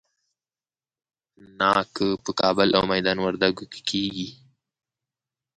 ناک په کابل او میدان وردګو کې کیږي.